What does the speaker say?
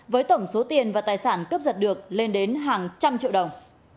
với tổng số tiền và tài sản cướp giật được lên đến hàng trăm triệu đồng